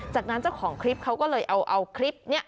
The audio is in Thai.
จากนั้นเจ้าของคลิปเขาก็เลยเอาคลิปนี้